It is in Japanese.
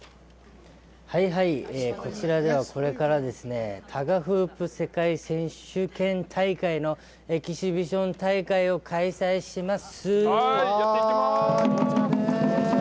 こちらではこれからタガフープ世界選手権大会のエキシビション大会を開催します。